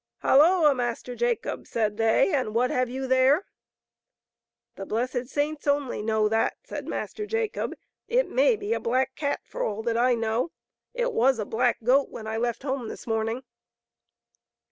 " Halloa, Master Jacob, said they, " and what have you there ?'*" The blessed saints only know that, said Master Jacob. " It may be a black cat for all that I know ; it was a black goat when I left home this morning.'